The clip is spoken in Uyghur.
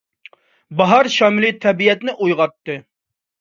باھار شامىلى تەبىئەتنى ئويغاتتى.